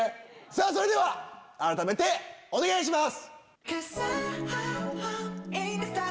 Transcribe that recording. それでは改めてお願いします！